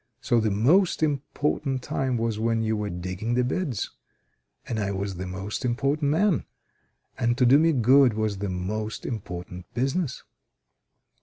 So the most important time was when you were digging the beds; and I was the most important man; and to do me good was your most important business.